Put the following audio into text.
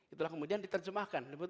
itulah kemudian diterjemahkan